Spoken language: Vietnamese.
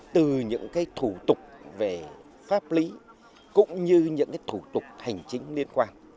từ những thủ tục về pháp lý cũng như những thủ tục hành chính liên quan